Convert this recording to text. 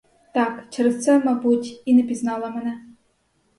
Так, через це, мабуть, і не пізнала мене.